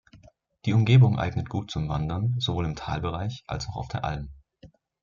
Die Umgebung eignet gut zum Wandern, sowohl im Talbereich als auch auf der Alm.